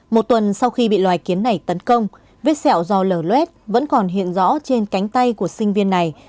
một tuần sau khi bị loài kiến này tấn công vết sẹo do lờ luét vẫn còn hiện rõ trên cánh tay của sinh viên này